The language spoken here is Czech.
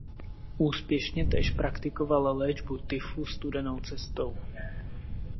Úspěšně též praktikoval léčbu tyfu studenou cestou.